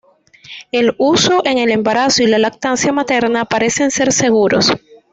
El uso en el embarazo y la lactancia materna parecen ser seguros.